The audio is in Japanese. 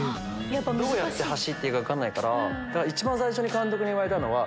どうやって走っていいか分かんないから一番最初に監督に言われたのは。